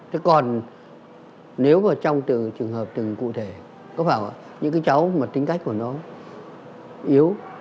thế còn nếu vào trong trường hợp từng cụ thể có phải những cái cháu mà tính cách của nó yếu